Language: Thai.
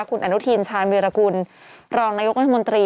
คุณอานุธีนชาร์มวีรกุลรองนายกคมตรี